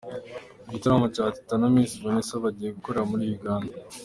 Igitaramo Teta na Miss Vanessa bagiye gukorera muri Uganda.